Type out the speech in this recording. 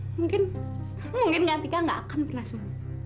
mungkin mungkin kak tika nggak akan pernah sembunyi